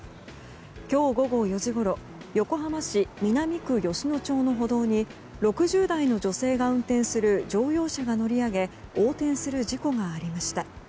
今日午後４時ごろ横浜市南区吉野町の歩道に６０代の女性が運転する乗用車が乗り上げ横転する事故がありました。